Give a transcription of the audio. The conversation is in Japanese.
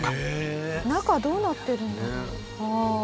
中どうなってるんだろう？